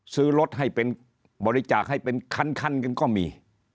ซื้อรถให้เป็นบริจาคให้เป็นคันกันก็มี